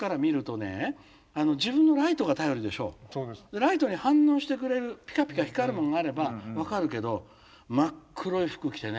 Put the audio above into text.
ライトに反応してくれるピカピカ光るものがあれば分かるけど真っ黒い服着てね